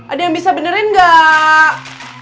ada yang bisa benerin gak